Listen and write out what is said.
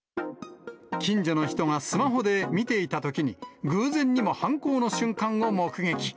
近所の人がスマホで見ていたときに、偶然にも犯行の瞬間を目撃。